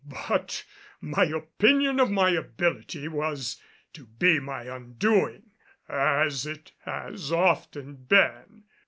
But my opinion of my ability was to be my undoing, as it has often been.